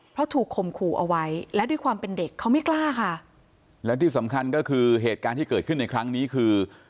เพราะถูกคมขู่เอาไว้แล้วด้วยความเป็นเด็กเขาไม่กล้าค่ะแล้วที่สำคัญก็คือเหตุการณ์ที่เกิดขึ้นในครั้งนี้คือ